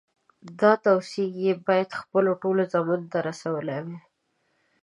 دا توصیې یې باید خپلو ټولو زامنو ته رسولې وای.